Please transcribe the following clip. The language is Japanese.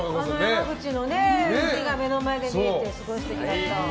山口のね、海が目の前に見えてすごい素敵だった。